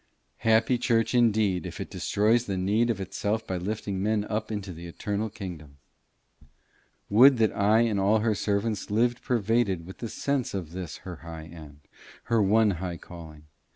Happy church indeed, if it destroys the need of itself by lifting men up into the eternal kingdom! Would that I and all her servants lived pervaded with the sense of this her high end, her one high calling!